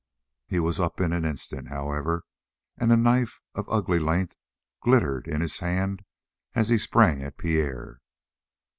He was up in an instant, however, and a knife of ugly length glittered in his hand as he sprang at Pierre.